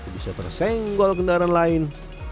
bisa tersenggol kendaraan lain